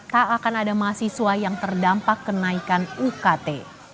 tak akan ada mahasiswa yang terdampak kenaikan ukt